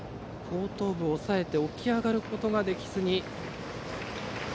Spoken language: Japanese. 後頭部を抑えて起き上がることができずに。